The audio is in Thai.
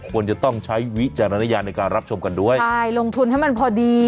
ควรจะต้องใช้วิจารณญาณในการรับชมกันด้วยใช่ลงทุนให้มันพอดี